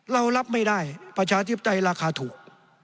เรารับไม่ได้ประชาธิปไตยราคาถูก